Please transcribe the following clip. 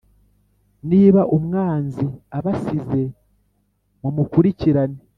Niba umwanzi abasize mumukurikirane